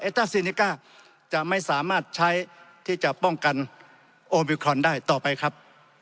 ต้าซีเนก้าจะไม่สามารถใช้ที่จะป้องกันโอมิครอนได้ต่อไปครับ